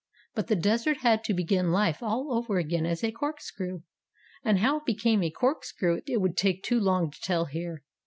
But the Desert had to begin life all over again as a corkscrew, and how it became a corkscrew it would take too long to tell here.